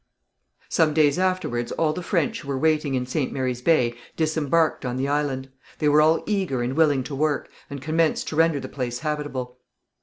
Some days afterwards all the French who were waiting in St. Mary's Bay disembarked on the island. They were all eager and willing to work, and commenced to render the place habitable.